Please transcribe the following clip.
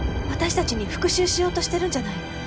私たちに復讐しようとしてるんじゃないの？